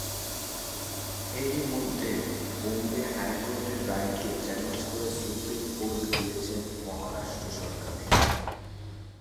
এরই মধ্যে বোম্বে হাইকোর্টের রায়কে চ্যালেঞ্জ করে সুপ্রিম কোর্ট গিয়েছে মহারাষ্ট্র সরকার।